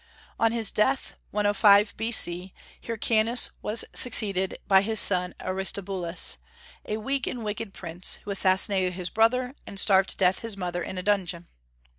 On his death, 105 B.C., Hyrcanus was succeeded by his son Aristobulus, a weak and wicked prince, who assassinated his brother, and starved to death his mother in a dungeon.